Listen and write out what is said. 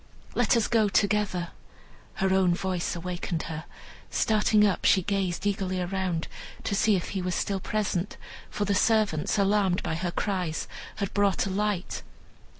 let us go together." Her own voice awakened her. Starting up, she gazed eagerly around, to see if he was still present, for the servants, alarmed by her cries, had brought a light.